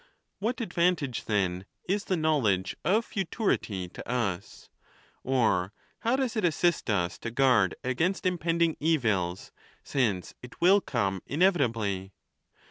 What advantage, then, is the knowledge of futurity to us, or how does it assist us to guard against impending evils, since it will come inevitably?